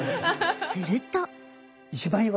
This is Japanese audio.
すると。